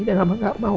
dan mama gak mau